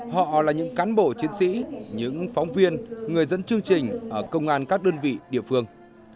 họ là những cán bộ chiến sĩ những phóng viên người dẫn chương trình ở công an các đơn vị địa phương